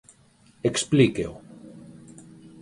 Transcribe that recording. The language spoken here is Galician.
Explíqueo.